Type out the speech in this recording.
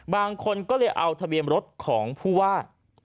บางคนก็เลยเอาทะเบียนรถของผู้ว่า